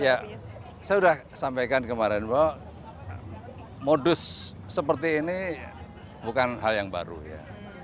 ya saya sudah sampaikan kemarin bahwa modus seperti ini bukan hal yang baru ya